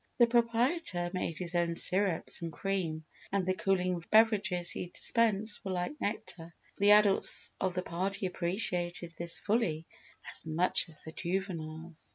The proprietor made his own syrups and cream and the cooling beverages he dispensed were like nectar. The adults of the party appreciated this fully as much as the juveniles.